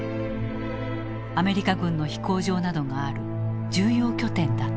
アメリカ軍の飛行場などがある重要拠点だった。